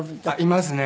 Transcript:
いますね。